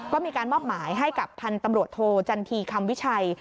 ก็มีการมอบหมายให้กับพันธุ์ตำรวจโทจันทีคำวิชัย